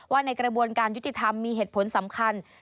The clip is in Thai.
ในกระบวนการยุติธรรมมีเหตุผลสำคัญ